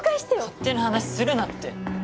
勝手な話するなって！